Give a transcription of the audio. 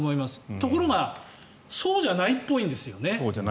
ところがそうじゃないっぽいんですよね。